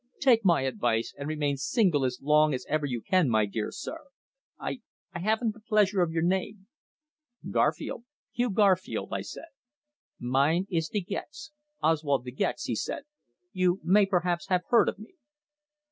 Take my advice and remain single as long as ever you can, my dear sir. I I haven't the pleasure of your name." "Garfield Hugh Garfield," I said. "Mine is De Gex Oswald De Gex," he said. "You may perhaps have heard of me."